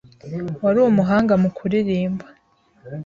wari umuhanga mu kuririmba.